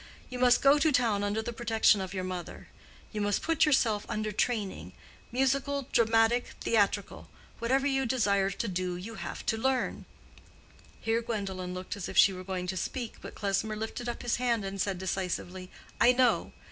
You must go to town under the protection of your mother. You must put yourself under training—musical, dramatic, theatrical:—whatever you desire to do you have to learn"—here Gwendolen looked as if she were going to speak, but Klesmer lifted up his hand and said, decisively, "I know.